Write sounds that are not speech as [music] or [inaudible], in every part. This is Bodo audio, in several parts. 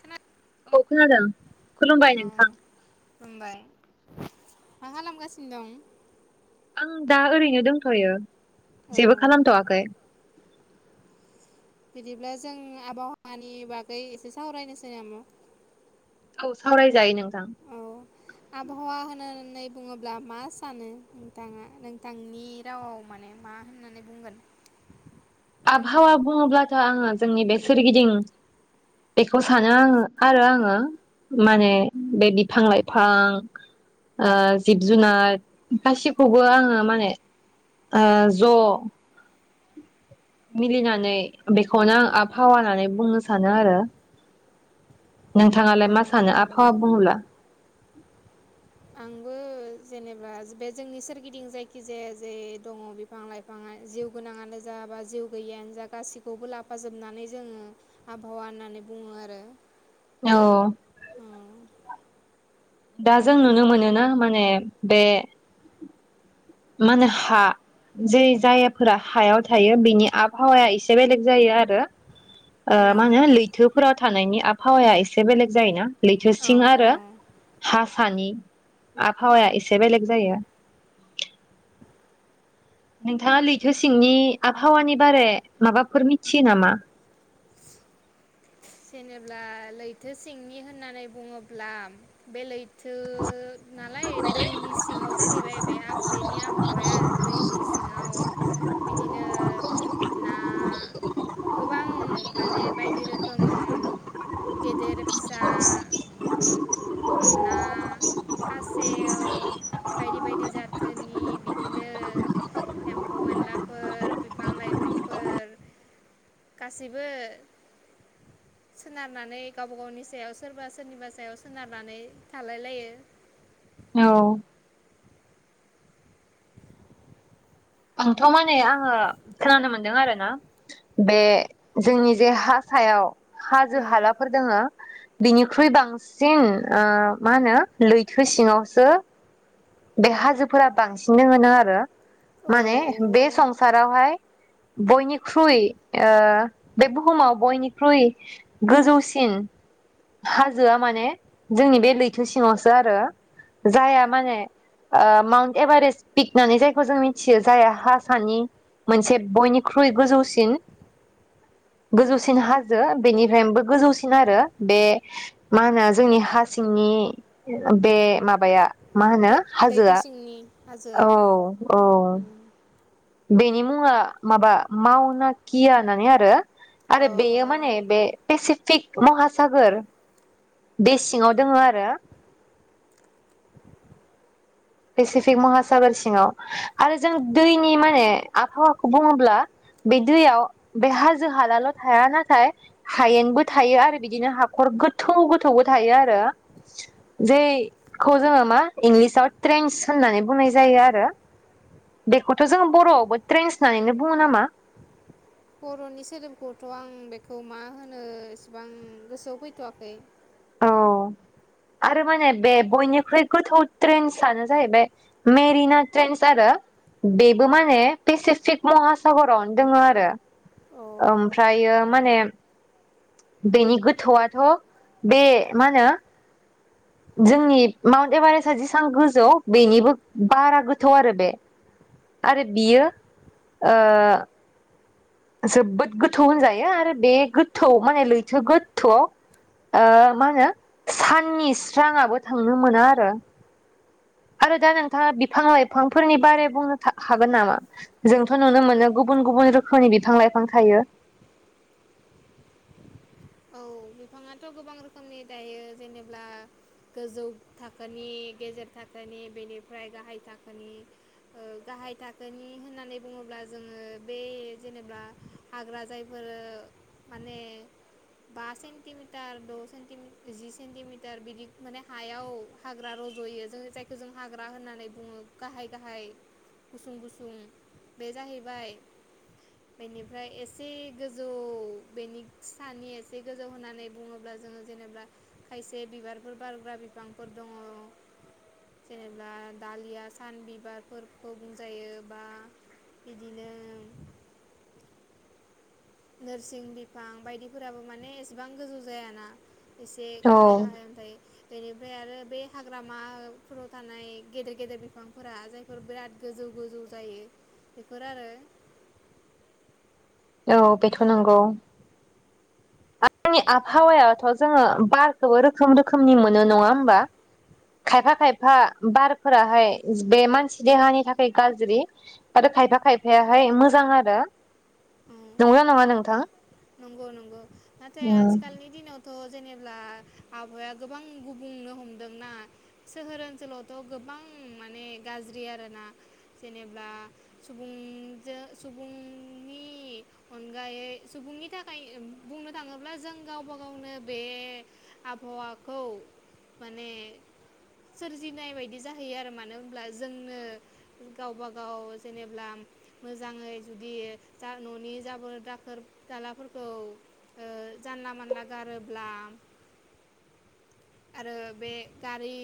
खोना अ खोनादों। खुलुमबाय औ नोंथां। खुलुमबाय मा खालामगासिनो दं? आं दा ओरैनो दंथ'यो। औ जेबो खालामथ'वाखै। बिदिब्ला जों आबहावानि बागै एसे सावरायनोसै नामा? औ सावरायजायो नों औ आबहावा होनो होननानै बुङोब्ला मा सानो नोंथाङा नोंथांनि रावाव माने मा होननानै बुंगोन? आबहावा बुङोब्लाथ' आङो जोंनि बे सोरगिदिं बेखौ सानो आङो आरो आङो माने बे बिफां लाइफां जिब जुनार गासिखौबो आङो माने ओ ज' मिलिनानै बेखौनो आं आबहावा होननानै बुंनो सानो आरो। औ नोंथाङालाय मा सानो नंगौ आबहावा बुङोब्ला? आंबो जेनेबा बे जोंनि सोरगिदिं जायखिजाया जे दङ बिफां लाइफाङा जिउ गोनाङानो जा बा जिउ गैयिआनो जा गाैखौबो लाफाजोबनानै जोङो आबहावा होननानै बुङो आरो। औ दा जों नुनो मोनोना माने बे मा होनो हा जै जायगाफोरा हायाव थायो बिनि आबहावाया एसे बेलेग जायो आरो। ओ औ मा होनो लैथोफोराव थानायनि आब हावाया एसे बेलेग जायोना। ओं लैथोसिं औ आरो औ हासानि आबहावाया एसे बेलेग जायो। नोंथाङा लैथो सिंनि आबहावानि बारै माबाफोर मिथियो नामा? जेनेब्ला लैथो सिंनि होननानै बुङोब्ला बेलेग थो नालाय दैनि सिङाव जाहैबाय बे बेनि आबहावाया दैनि सिङाव बिदिनो ना गोबां माने बायदि रोखोम ओम गेदेर फिसा ना खासेव बायदि बायदि जाथोनि बिदिनो एम्फौ एनलाफोर बिफां लाइफांफोर गासैबो सोनारनानै गावबा गावनि सायाव सोरबा सोरनिबा सायाव सोनारनानै थालाय लायो। औ आंथ' माने आङो खोनानो मोनदों आरोना बे जोंनि जे हा सायाव हाजो उम हालाफोर दोङो। बिनिख्रुइ बांसिन ओ मा होनो लैथो सिङावसो बे हाजोफोरा बांसिननो दोङोनो आरो। औ माने औ बे संसारावहाय बयनिख्रुइ ओ बे बुहुमाव बयनिख्रुइ गोजौसिन हाजोआ माने जोंनि बे लैथो सिङावसो आरो जायहा माने माउन्ट एभारेस्ट पिक होननानै जायखौ जों मिथि मिथियो जायहा हा सानि मोनसे बयनिख्रुइ गोजौसिन गोजौसिन हाजो बेनिफ्रायबो गोजौसिन आरो बे मा होनो जोंनि हा सिंनि बे माबाया मा होनो हाजोआ औ। औ उम। बेनि मुङा माबा मावनाकिया होननानै आरो औ आरो औ बेयो माने बे पेसिफिक महासागोर बे सिङाव दोङ आरो। पेसिफिक महासागर सिङाव आरो जों दैनि माने आबहावाखौ बुङोब्ला बे दैयाव बे हाजो हालाल' थाया नाथाय हायेनबो थायो आरो बिदिनो हाखर गोथौ गोथौबो थायो आरो जैखौ जोङो मा इंलिसाव ट्रेन्स होननानै बुंनाय जायो आरो बेखौथ' जोङ बर'आवबो ट्रेन्स होननानैनो बुङो नामा? बर'नि सोदोमखौथ' आं बेखौ मा होनो एसेबां गोसोआव फैथ'वाखै औ आरो माने बे बयनिख्रुइ गोथौ ट्रेन्सआनो जाहैबाय मेरिना ट्रेन्स आरो बेबो माने पेसिफिक महासागरावनो दङ आरो। अ ओमफ्रायो माने बेनि गोथौआथ' बे मा होनो जोंनि माउन्ट एभारेस्टआ जेसेबां गोजौ बेनिबो बारा गोथौ आरो बे आरो बियो ओ जोबोद गोथौ होनजायो आरो बे गोथौ माने लैथो गोथौआव ओ मा होनो साननि स्रांआबो थांनो मोना आरो। आरो दा नोंथाङा बिफां लाइफांफोरनि बारै बुंनो हागोन नामा? जोंथ' नुनो मोनो गुबुन गुबुन रोखोमनि बिफां लाइफां थायो। औ बिफाङाथ' गोबां रोखोमनि दायो जेनेबा गोजौ थाखोनि गेजेर थाखोनि बेनिफ्राय गाहाय थाखोनि गाहाय थाखोनि होननानै बुङोब्ला जोङो बे जेनेबा हाग्रा जायफोर माने बा सेन्टिमिटार द' सेन्टि जि सेन्टिमिटार बिदि माने हायाव हाग्रा रज'यो जों जायखौ जों हाग्रा होननानै बुङो गाहाय गाहाय गुसुं गुसुं बे जाहैबाय बेनिफ्राय एसे गोजौ बेनि सानि से गोजौ होननानै बुङोब्ला जोङो जेनेबा खायसे बिबारफोर बारग्रा बिफांफोर दङ जेनेबा दालिया सान बिबारफोरखौ बुंजायो बा बिदिनो नोरसिं बिफां बायदिफोराबो माने एसेबां गोजौ जायाना। एसे औ गाहाय गाहाय ओम बेनिफ्राय आरो बे हाग्रामाफोराव थानाय गेदेर गेदेर बिफांफोरा जायफोर बिराद गोजौ गोजौ जायो बेफोर आरो। औ बेथ' नंगौ। जोंनि आबहावायाथ' जोङो बारखौबो रोखोम रोखोमनि मोनो नङा होमबा खायफा खायफा बारफोराहाय बे मानसि देहानि थाखाय गाज्रि आरो खायफा खायफायाहाय मोजां आरो। नंगौना नङा नोंथां नंगौ नंगौ। नाथाय आथिखालनि दिनाव थ' जेनेब्ला आबहाया गोबां गुबुंनो हमदोंना सोहोर ओनसोलावथ' गोबां माने गाज्रि आरोना जेनेब्ला सुबुंजों सुबुंनि अनगायै सुबुंनि थाखाय बुंनो थाङोब्ला जों गावबा गावनो बे आबहावाखौ माने सोरजिनाय बायदि जाहैयो आरो मानो होनब्ला जोंनो गावबा गाव जेनेबा मोजाङै जुदि जा न'नि जाबो दाखोर दालाफोरखौ ओ जानला मानला गारोब्ला आरो बे गारि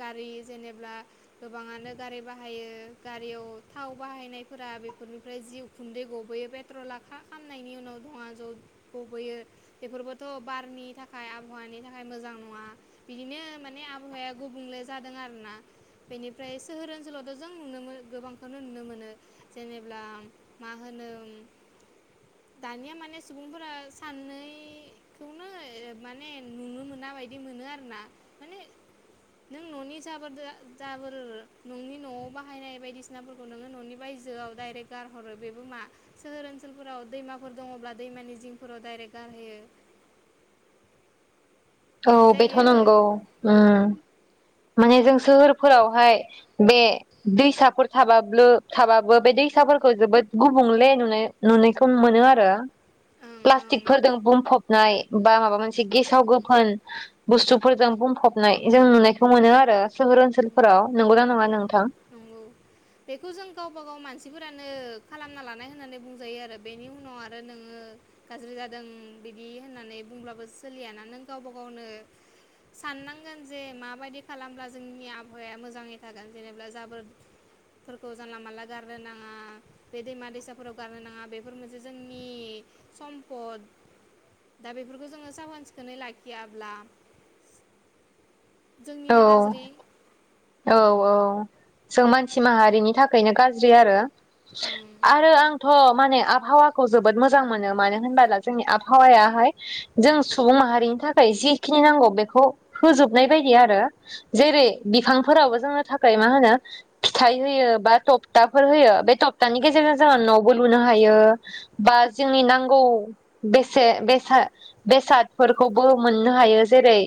गारि जेनेब्ला गोबाङानो गारि बाहायो गारियाव थाव बाहायनायफोरा बेफोरनिफ्राय जि उखुन्दै गबोयो पेट्रलखा खामनायनि उनाव दङ ज' गबोयो बेफोरबोथ' बारनि थाखाय आबहावानि थाखाय मोजां नङ नङा बिदिनो माने आबहावाया गुबुंले जादों आरोना बेनिफ्राय सोहोर ओनसोलावथ' जों नुनो गोबांखौनो नुनो मोनो जेनेब्ला मा होनो दानिया माने सुबुंफोरा साननैखौनो माने नुनो मोना बायद बिदि मोनो आरोना माने नों न'नि जोबोरदोआ जाबोर नोंनि न'आव बाहायनाय बायदिसिनाफोरखौ नोङो न'नि बायजोआव डाइरेक्ट गारहरो बेबो मा सोहोर ओनसोलफोराव दैमाफोर दङब्ला दैमानि जिंफोराव डाइरेक्ट गारहोयो। बिदि औ जायो बेथ' आरो नंगौ उम। माने जों सोहोरफोरावहाय बे दैसाफोर थाबाब थाबाबो बे दैसाफोरखौ जोबोद गुबुंले नुनाय नुनायखौ मोनो आरो ओं ओं प्लास्टिकफोरजों बुंफबनाय बा माबा मोनसे गेसाव गोफोन बुस्थुफोरजों बुंफबनाय जों नुनाय खौ मोनो आरो सोहोर ओनसोलफोराव नंगौना नङा उम नोंथां। नंगौ बेखौ जों गावबा गाव मानसिफोरानो खालामना लानाय होननानै बुंजायो आरो बेनि उनाव आरो नोङो गाज्रि जादों बिदि होननानै बुंब्लाबो सोलियाना नों गावबा गावनो साननांगोन जे माबायदि खालामब्ला जोंनि आबहावाया मोजाङै थागोन जेनेबा जाबोर फोरखौ जानला मानला गारनो नाङा बे दैमा दैसाफोराव गारनो नाङा बेफोर मोनसे जोंनि सम्पद दा बेफोरखौ जोङो साहोन सिखोनै लाखियाब्ला औ जोंनिनो गाज्रि औ औ। जों मानसि माहारिनि थाखायनो गाज्रि आरो। ओं आरो आंथ'। माने आबहावाखौ जोबोद मोजां मोनो मानो होनबोला जोंनि आबहावायाहाय जों सुबुं माहारिनि थाखाय जिखिनि नांगौ बेखौ होजोबनाय बायद दि आरो जेरै बिफांफोरावबो जोंनो थाखाय मा होनो फिथाइ होयो बा थपथाफोर होयो बे थपथानि गेजेरजों जोङो न'बो लुनो हायो बा जोंनि नांगौ बेसे बेसाद बेसादफोरखौबो मोननो हायो जेरै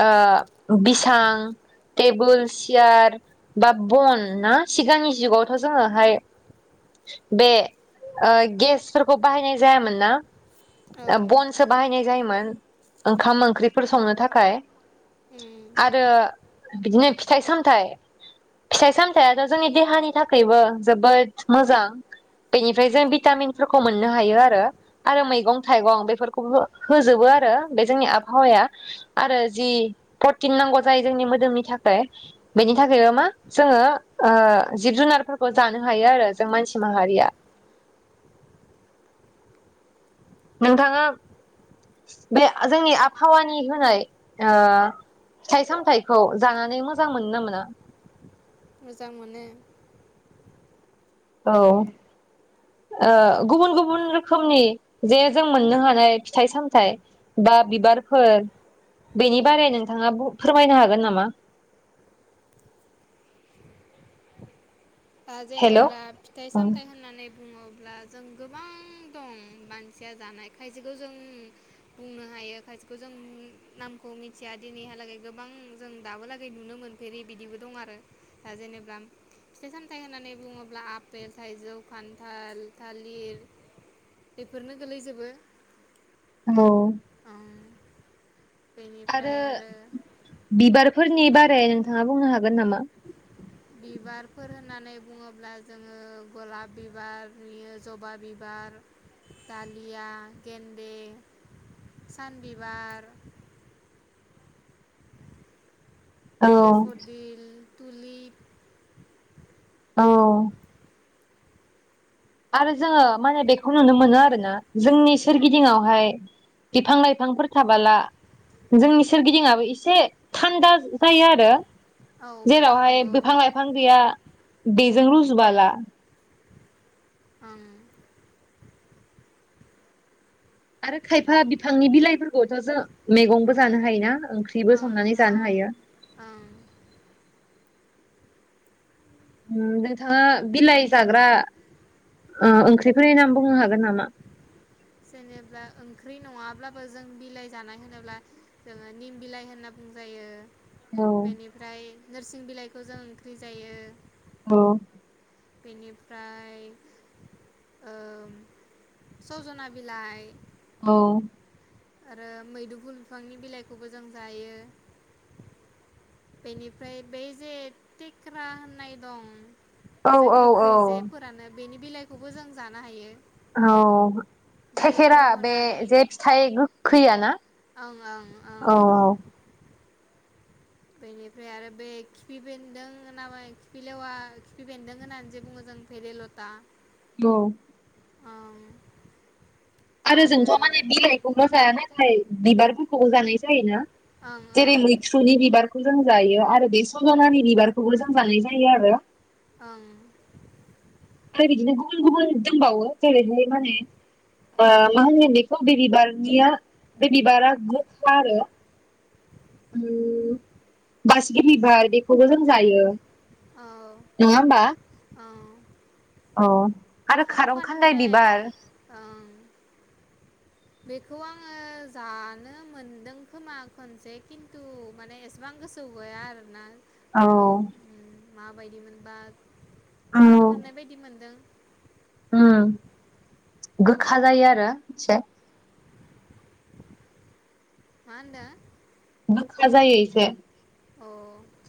ओ बिसां टेबोल सियार बा बन ना सिगांनि जुगावथ' जोङोहाय बे ओ गेसफोरखौ बाहायनाय जायामोन ना। ओं बनसो बाहायनाय जायोमोन ओंखाम ओंख्रिफोर संनो थाखाय। उम आरो बिदिनो फिथाइ सामथाइ फिथाइ सामथायाइथ' जोंनि देहानि थाखायबो जोबोद मोजां बेनिफ्राय जों भिटामिनफोरखौ मोननो हायो आरो आरो मैगं थाइगं बेफोरखौबो होजोबो आरो बे जोंनि आबहावाया आरो जि प्रटिन नांगौ जायो जोंनि मोदोमनि थाखाय बेनि थाखाय मा जोङो ओ जिब जुनारफोरखौ जानो हायो आरो जों मानसि माहारिया। नोंथाङा बे जोंनि आबहावानि होनाय ओ फिथाइ सामथायाइखौ जानानै मोजां मोनो ना मोना। मोजां मोनो औ, ओ गुबुन गुबुन रोखोमनि जे जों मोननो हानाय फिथाइ सामथायाइ बा बिबारफोर बेनि बारै नोंथाङा फोरमायनो हागोन नामा? ओ हेल' जेनेबा फिथाइ - सामथाय होननानै बुङोब्ला जों गोबां दं मानसिया जानाय, खायसेखौ जों बुंनो हायो, खायसेखौ जों नामखौ मिथिया दिनैहालागै गोबां जों दाबोलागै नुनो मोनफेरि बिदिबो दं आरो दा जेनेबा फिथाइ सामथायाइ होननानै बुङोब्ला, - आफपेल, थाइजौ, खान्थाल, थालिर बेफोरनो गोलैजोबो। औ ओं बेनिफ्राय आरो बिबारफोरनि बारै नोंथाङा बुंनो हागोन नामा? बिबारफोर होननानै बुङोब्ला जोङो -गलाब बिबार, जबा बिबार, दालिया, गेन्दे, सान बिबार औ देफदिल दुलि,, औ आरो जोङो मा होनो बेखौ नुनो मोनो आरोना, जोंनि सोरगिदिंआहाय बिफां लाइफांफोर थाबोला जोंनि सोरगिदिंवाबो एसे थान्दा जायो आरो। औ, बेथ' जेरावहाय नंगौ। बिफां- लाइफां गैया बे जों रुजु बाला ओं आरो खायफा बिफांनि बिलाइफोरखौथ' जों मैगंबो जानो हायो ना? ओंख्रिबो ओं संनानै जानो ओं ओं नोंथाङा, बिलाइ जाग्रा ओ ओंख्रिफोरनि नाम बुंनो हागोन नामा? जेनेबा ओंख्रि नङाब्लाबो जों बिलाइ जानाय होनोब्ला, जोङो निम बिलाइ होनना बुंजायो। औ बेनिफ्राय,, नोरसिं बिलाइखौ जों ओंख्रि जायो। औ बिनिफ्राय ओ सजना बिलाइ। औ आरो मैदुफु बिफांनि बिलाइखौबो जों जायो। बेनिफ्राय बै जे थेख्रा होननाय दं - जो औ औ गोखै जे फोरानो बेनि बिलाइखौबो जों जानो हायो। औ थेखेरा दालिफोराव बे होनानै जे फिथाइ गोखैयाना? ओं ओं ओं औ बेनिफ्राय आरो बे खिफि बेन्दों नामा, खिफिलेवा खिफि बेन्दों होननानै जे बुङो, जों भेरेलथा औ ओं आरो जोंथ' माने बिलाइखौल' जाया, नाथाय बिबार फोरखौबो जानाय जायोना? ओं जेरै ओं -मैथ्रुनि बिबारखौ जों जायो आरो बे सजनानि बिबारखौबो जों जानाय जायो आरो। ं [inaudible] फोर बिदिनो गुबुन गुबुन दंबावो जेरैहाय माने ओ मा होनो बेखौ बे बिबारनिया बे बिबारा गोखा आरो। बासिगि बिबार बेखौबो जों जायो। नङा औ होमबा औ। औ। आरो खारु खारं खान्दाय खानदाय बिबार ओम। बेखौ आङो जानो मोनदों खोमा खनसे खिन्थु माने एसेबां गोसो गैया आरो ना। औ। माबायदि मोनबा? जानो मोननाय बायदि मोनदों। ओम गोखा जायो आरो एसे। मा ओनदों? गोखा जायो एसे। औ।